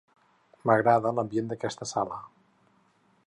M'agrada l'ambient d'aquesta sala.